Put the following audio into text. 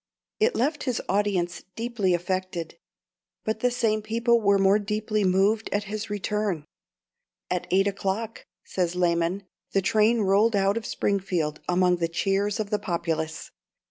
It left his audience deeply affected; but the same people were more deeply moved at his return. "At eight o'clock," says Lamon, "the train rolled out of Springfield amid the cheers of the populace.